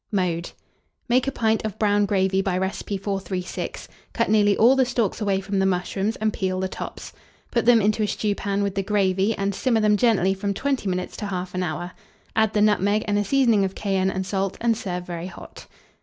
Mode. Make a pint of brown gravy by recipe 436; cut nearly all the stalks away from the mushrooms and peel the tops; put them into a stewpan, with the gravy, and simmer them gently from 20 minutes to 1/2 hour. Add the nutmeg and a seasoning of cayenne and salt, and serve very hot.